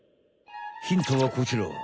ヒントはこちら！